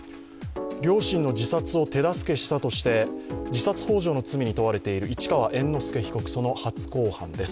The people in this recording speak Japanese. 両親の自殺を手助けしたとして自殺ほう助の罪に問われている市川猿之助被告、その初公判です。